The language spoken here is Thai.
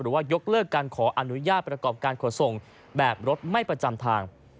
ยกเลิกการขออนุญาตประกอบการขนส่งแบบรถไม่ประจำทาง